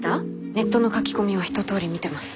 ネットの書き込みは一とおり見てます。